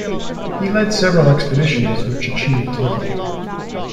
He led several expeditions which achieved little.